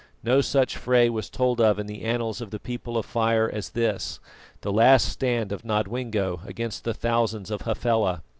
No such fray was told of in the annals of the People of Fire as this, the last stand of Nodwengo against the thousands of Hafela.